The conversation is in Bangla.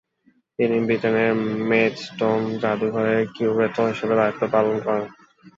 তিনি বৃটেনের মেইডস্টোন জাদুঘরের কিউরেটর হিসেবে দায়িত্ব পালন করেন।